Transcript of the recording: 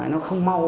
nó không mau